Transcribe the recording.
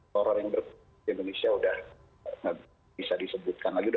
horror yang di indonesia sudah bisa disebutkan lagi